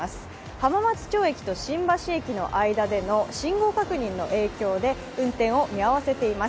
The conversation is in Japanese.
浜松町駅と新橋駅での間での信号確認の影響で運転を見合わせています。